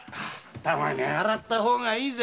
たまには洗った方がいいぜ。